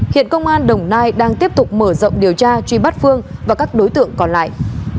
hiện công an đồng nai đang tiếp tục mở rộng điều tra truy bắt phương và các đối tượng còn lại